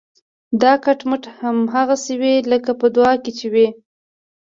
دا کټ مټ هماغسې وي لکه په دعا کې چې وي.